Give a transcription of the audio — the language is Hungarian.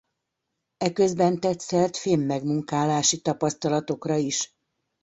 Eközben tett szert fémmegmunkálási tapasztalatokra is.